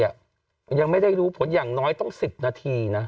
ยังไม่ได้รู้ผลอย่างน้อยต้อง๑๐นาทีนะ